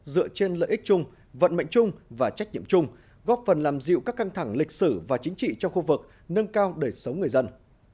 dựa trên lợi ích chung vận mệnh chung và trách nhiệm chung góp phần làm dịu các căng thẳng lịch sử và chính trị trong khu vực nâng cao đời sống người dân